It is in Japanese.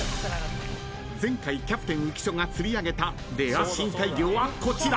［前回キャプテン浮所が釣り上げたレア深海魚はこちら］